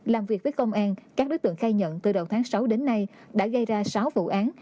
làm việc với công an các đối tượng khai nhận từ đầu tháng sáu đến nay đã gây ra sáu vụ án